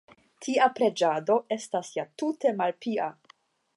Tia preĝado estas ja tute malpia!